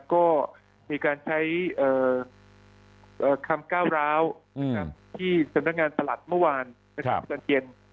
ก็มีการใช้คำก้าวร้าวที่สำนักงานตลัดเมื่อวานนะครับสันเย็น